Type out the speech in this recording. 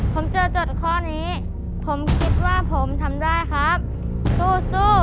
ผมจะจดข้อนี้ผมคิดว่าผมทำได้ครับสู้